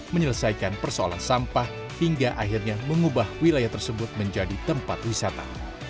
menyelesaikan persoalan sampah hingga akhirnya mengubah wilayah tersebut menjadi tempat wisata